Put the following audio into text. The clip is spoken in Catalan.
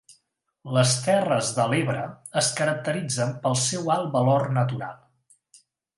Les Terres de l'Ebre es caracteritzen pel seu alt valor natural.